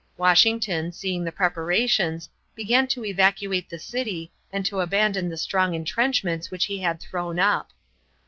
Washington, seeing the preparations, began to evacuate the city and to abandon the strong intrenchments which he had thrown up.